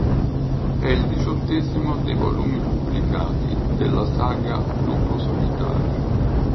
È il diciottesimo dei volumi pubblicati della saga Lupo Solitario.